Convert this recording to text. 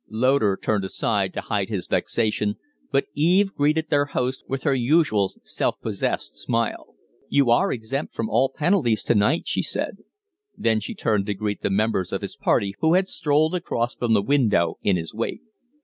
Loder turned aside to hide his vexation, but Eve greeted their host with her usual self possessed smile. "You are exempt from all penalties to night," she said. Then she turned to greet the members of his party who had strolled across from the window in his wake.